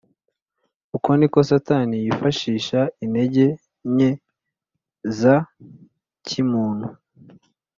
. Uko ni ko Satani yifashisha intege nke za kimuntu